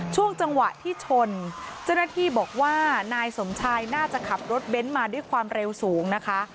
ช่วงจังหวะที่ชนเจ้าหน้าที่บอกว่านายสมชายน่าจะขับรถเบ้นมาด้วยความเร็วสูงนะคะ